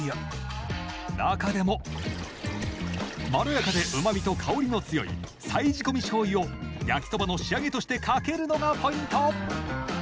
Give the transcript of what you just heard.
中でもまろやかでうまみと香りの強い再仕込みしょうゆを焼きそばの仕上げとしてかけるのがポイント！